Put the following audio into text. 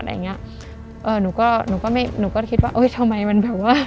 อะไรอย่างเงี้ยเอ่อหนูก็หนูก็ไม่หนูก็คิดว่าเอ้ยทำไมมันแบบว่า